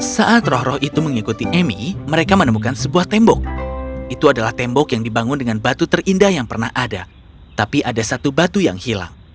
saat roh roh itu mengikuti emi mereka menemukan sebuah tembok itu adalah tembok yang dibangun dengan batu terindah yang pernah ada tapi ada satu batu yang hilang